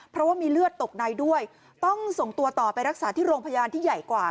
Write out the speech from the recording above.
เพราะว่ามีเลือดตกในด้วยต้องส่งตัวต่อไปรักษาที่โรงพยาบาลที่ใหญ่กว่า